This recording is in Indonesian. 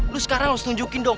lu sekarang harus nunjukin dong